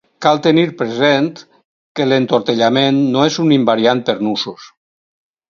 Cal tenir present que l'entortellament no és un invariant per nusos.